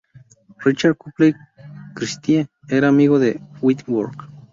Richard Copley Christie era amigo de Whitworth.